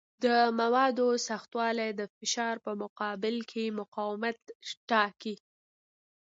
د موادو سختوالی د فشار په مقابل کې مقاومت ټاکي.